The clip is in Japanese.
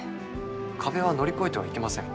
壁は乗り越えてはいけません。